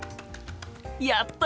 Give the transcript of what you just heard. やった！